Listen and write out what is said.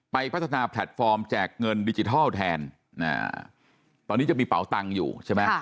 พัฒนาแพลตฟอร์มแจกเงินดิจิทัลแทนตอนนี้จะมีเป๋าตังค์อยู่ใช่ไหม